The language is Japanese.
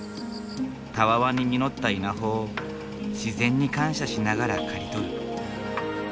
たわわに実った稲穂を自然に感謝しながら刈り取る。